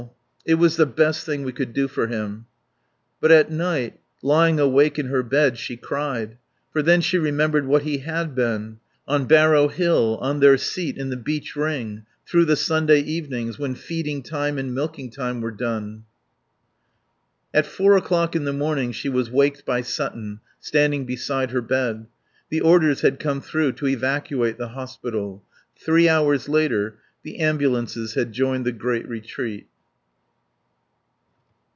It was the best thing we could do for him." But at night, lying awake in her bed, she cried. For then she remembered what he had been. On Barrow Hill, on their seat in the beech ring, through the Sunday evenings, when feeding time and milking time were done. At four o'clock in the morning she was waked by Sutton, standing beside her bed. The orders had come through to evacuate the hospital. Three hours later the ambulances had joined the great retreat.